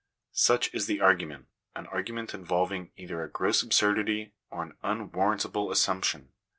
Such is the argument; an argument involving either a gross absurdity or an unwarrantable assumption.